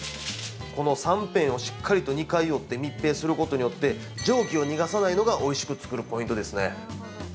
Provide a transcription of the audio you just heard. この三辺をしっかりと２回折って密閉することによって蒸気を逃がさないのがおいしく作るポイントですね。